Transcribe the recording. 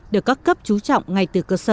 được các cấp trú trọng ngay